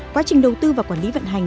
quá trình đầu tư và quản lý vận hành